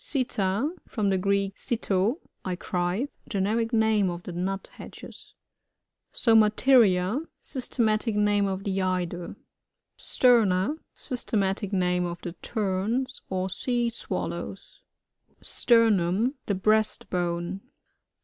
SiTTA. — From the Greek, sitt^, I cry. Generic name of the Nuthatches. SoMATERiA.— Systematic name of the Eider. STBRNA. ^y8tematic name of the Teras or Sea SwaHows. Sternum.— The breast bone.